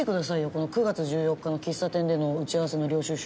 この９月１４日の喫茶店での打ち合わせの領収書。